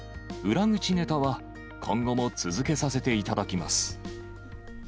裏口ネタは今後も続けさせていただきます。